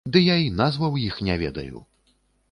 Ды я і назваў іх не ведаю.